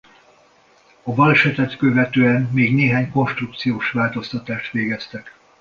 A balesetet követően még néhány konstrukciós változtatást végeztek.